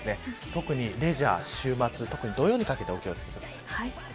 特に特にレジャー、週末土曜にかけてお気を付けください。